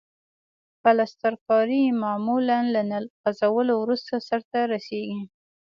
پلسترکاري معمولاً له نل غځولو وروسته سرته رسیږي.